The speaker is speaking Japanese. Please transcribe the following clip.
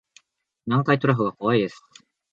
南海トラフが怖いです